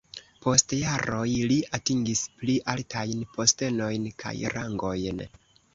Post jaroj li atingis pli altajn postenojn kaj rangojn.